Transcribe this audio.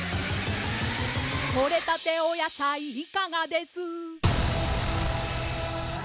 「とれたてお野菜いかがです」